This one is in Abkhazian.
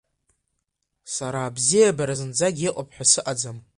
Сара абзиабара зынӡагьы иҟоуп ҳәа сыҟаӡам!